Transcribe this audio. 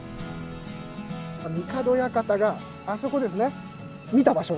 三門館跡があそこですね。